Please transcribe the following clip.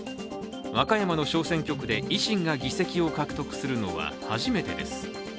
和歌山の小選挙区で維新が議席を獲得するのは初めてです。